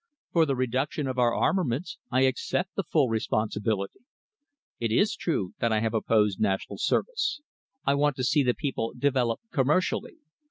For the reduction of our armaments I accept the full responsibility. It is true that I have opposed national service. I want to see the people develop commercially.